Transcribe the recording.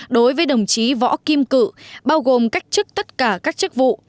đối với đồng chí võ kim cự bao gồm cách chức tất cả các chức vụ